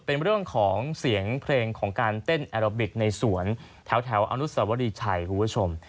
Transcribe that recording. เป็นเรื่องของเสียงเพลงของการเต้นแอโรบิกในสวนแถวอนุสวรีชัยคุณผู้ชม